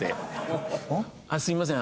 すみません。